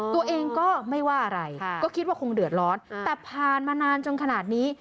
ตัวเองก็ไม่ว่าอะไรก็คิดว่าคงเดือดร้อนแต่ผ่านมานานจนขนาดนี้